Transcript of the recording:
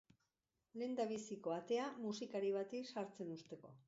Lehendabiziko atea, musikari bati sartzen uzteko.